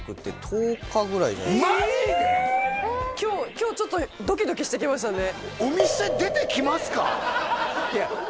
今日ちょっとドキドキしてきましたね